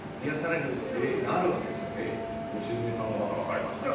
良純さんがまた分かれましたね。